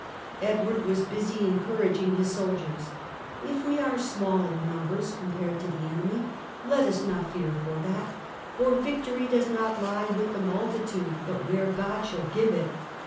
Edward was busy encouraging his soldiers :" If we are small in numbers compared to the enemy let us not fear for that, for victory does not lie with the multitude but where God shall give it.